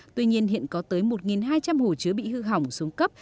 tuy nhiên hiện có tới một hai trăm linh hồ chứa bị hư hỏng xuống cấp